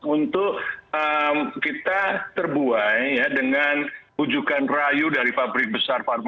untuk kita terbuai dengan ujukan rayu dari pabrik besar